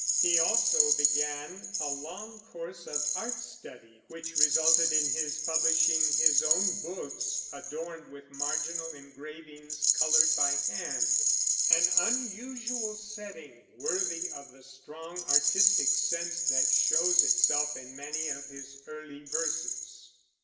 He also began a long course of art study, which resulted in his publishing his own books, adorned with marginal engravings colored by hand, an unusual setting, worthy of the strong artistic sense that shows itself in many of his early verses.